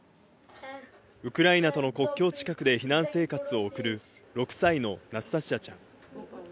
ウクライナとの国境近くで避難生活を送る６歳のナスタシアちゃん。